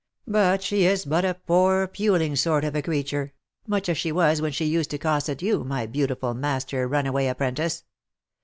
But she is but a poor, puling sort of acretur, much as she was when she used to cosset you, my beautiful master runaway apprentice.